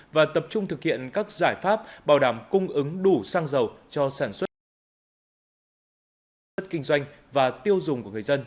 và tập trung thực hiện các giải pháp bảo đảm cung ứng đủ xăng dầu cho sản xuất kinh doanh và tiêu dùng của người dân